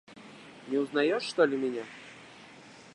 Не узнаешь что ли меня?